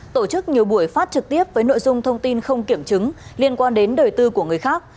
tổ chức nhiều buổi phát trực tiếp với nội dung thông tin không kiểm chứng liên quan đến đời tư của người khác